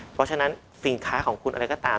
เพราะฉะนั้นสินค้าของคุณอะไรก็ตาม